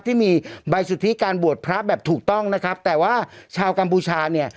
ที่มีใบสุทธิการบวชพระแบบถูกต้องนะครับแต่ว่าชาวกัมพูชาเนี่ย